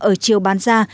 ở chiều ban gia